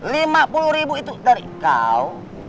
lima puluh ribu itu dari kau